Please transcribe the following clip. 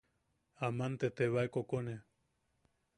Aman te tebae kokone.